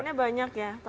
tantangannya banyak ya